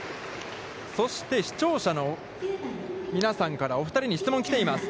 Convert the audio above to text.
そして、視聴者の皆さんからお二人に質問が来ています。